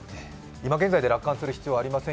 今現在で楽観する必要ありません